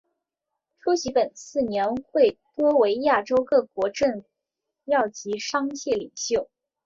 出席本次年会多为亚洲各国政要及商界领袖。